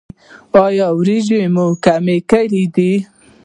ایا وریجې مو کمې کړي دي؟